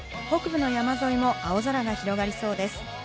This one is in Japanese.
北部の山沿いも青空が広がりそうです。